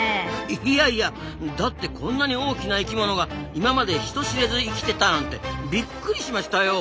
いやいやだってこんなに大きな生きものが今まで人知れず生きてたなんてびっくりしましたよ！